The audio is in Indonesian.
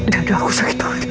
dada aku sakit rossa